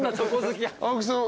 青木さん